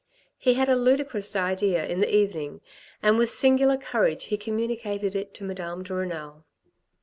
He had a ludicrous idea in the evening, and with singular courage he communicated it to Madame de Renal.